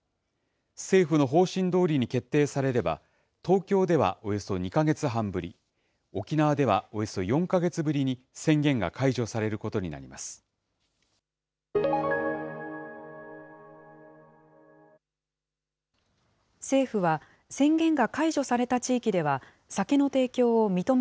政府の方針どおりに決定されれば、東京ではおよそ２か月半ぶり、沖縄ではおよそ４か月ぶりに宣言が解除されることになります。